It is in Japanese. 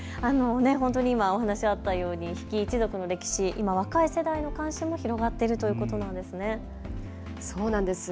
今お話あったように比企一族の歴史が若い世代の関心も広がっているということなんですね。